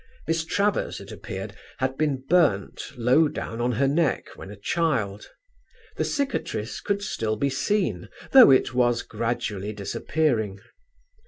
Miss Travers, it appeared, had been burnt low down on her neck when a child: the cicatrice could still be seen, though it was gradually disappearing.